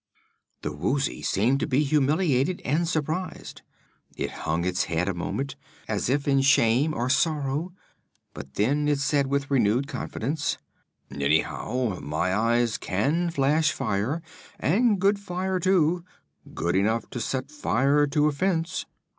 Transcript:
The Woozy seemed to be humiliated and surprised. It hung its head a moment, as if in shame or sorrow, but then it said with renewed confidence: "Anyhow, my eyes can flash fire; and good fire, too; good enough to set fire to a fence!"